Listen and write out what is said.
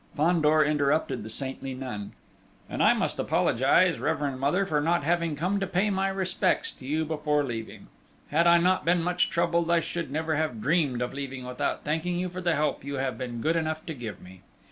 Fandor interrupted the saintly nun. "And I must apologise, reverend Mother, for not having come to pay my respects to you before leaving. Had I not been much troubled, I should never have dreamt of leaving without thanking you for the help you have been good enough to give me."